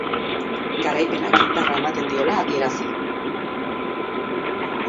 Garaipenak indarra ematen diola adierazi du.